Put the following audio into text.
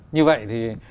như vậy thì